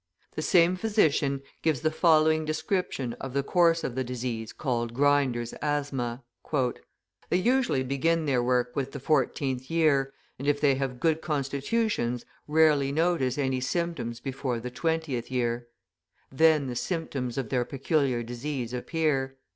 The same physician gives the following description of the course of the disease called grinders' asthma: "They usually begin their work with the fourteenth year, and, if they have good constitutions, rarely notice any symptoms before the twentieth year. Then the symptoms of their peculiar disease appear.